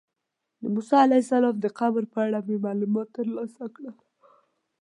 د موسی علیه السلام د قبر په اړه مې معلومات ترلاسه کړل.